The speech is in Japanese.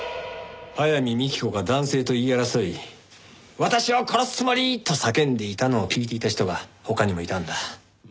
早見幹子が男性と言い争い私を殺すつもり！？と叫んでいたのを聞いていた人が他にもいたんだ。